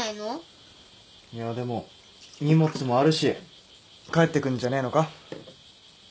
いやでも荷物もあるし帰ってくんじゃねえのか？